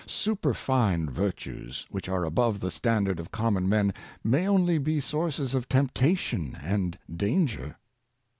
Superfine virtues, which are above the standard of common men, may only be sources of temptation and danger.